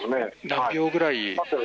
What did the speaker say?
何秒ぐらい？